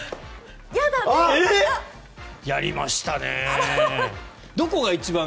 やりましたね。